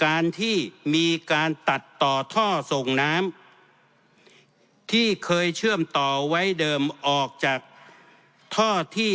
การที่มีการตัดต่อท่อส่งน้ำที่เคยเชื่อมต่อไว้เดิมออกจากท่อที่